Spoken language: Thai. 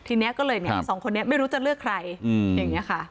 ทีนี้ก็เลยเนี่ยสองคนนี้ไม่รู้จะเลือกใครอย่างนี้ค่ะ